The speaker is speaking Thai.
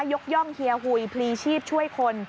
ยกย่องเฮียหุยพลีชีพช่วยคน